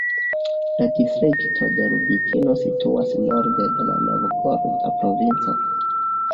La distrikto de Lubitino situas norde de la Novgoroda provinco.